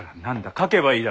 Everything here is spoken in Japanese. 描けばいいだろう。